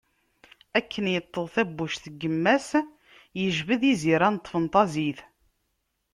Akken yeṭṭeḍ tabbuct n yemma-s, yejbed iziran n tfenṭazit.